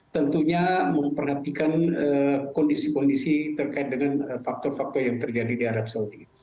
tentunya memperhatikan kondisi kondisi terkait dengan faktor faktor yang terjadi di arab saudi